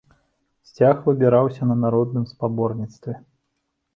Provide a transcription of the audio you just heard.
Сцяг выбіраўся на народным спаборніцтве.